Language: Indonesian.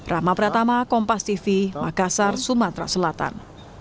rama pratama kompas tv makassar sumatera selatan